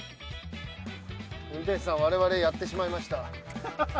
運転手さん我々やってしまいました。